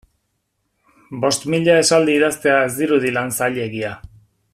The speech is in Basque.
Bost mila esaldi idaztea ez dirudi lan zailegia.